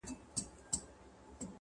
خدای دي نه کړي مفکوره مي سي غلامه,